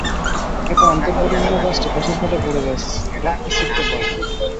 এতে অন্তর পরিবহনের বাসটি পাশের খাদে পড়ে যায়, ট্রাকটি ছিটকে পড়ে।